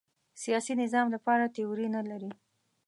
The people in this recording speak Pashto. سیاسي نظام لپاره تیوري نه لري